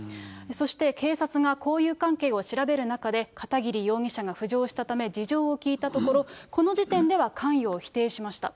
そして警察が交友関係を調べる中で、片桐容疑者が浮上したため、事情を聴いたところ、この時点では関与を否定しました。